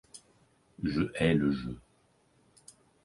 Je hais le jeu.